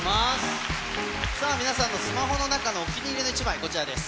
さあ、皆さんのスマホの中のお気に入りの一枚、こちらです。